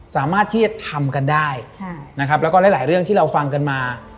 สามารถที่จะทำกันได้นะครับแล้วก็หลายเรื่องที่เราฟังกันมา